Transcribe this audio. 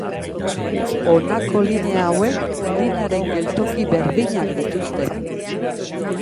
Honako linea hauek linearen geltoki berdinak dituzte.